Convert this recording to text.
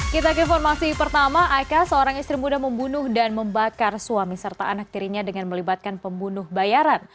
kita ke informasi pertama aka seorang istri muda membunuh dan membakar suami serta anak tirinya dengan melibatkan pembunuh bayaran